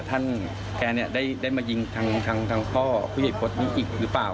ท่านแกเนี้ยได้ได้มายิงทางทางทางข้อผู้ใหญ่พลตนี้อีกหรือเปล่า